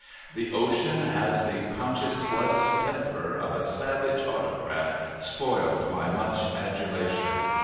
The ocean has the conscienceless temper of a savage autocrat spoiled by much adulation.